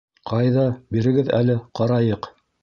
Ҡайҙа, бирегеҙ әле, ҡарайыҡ.